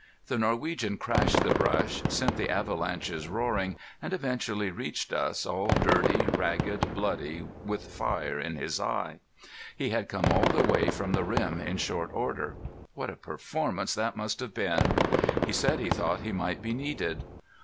The Norwegian crashed the brush, sent the avalanches roaring, and eventually reached us, all dirty, ragged, bloody, with fire in his eye. He had come all the way from the rim in short order. What a performance that must have been! He said he thought he might be needed.